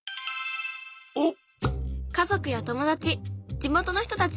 おっ！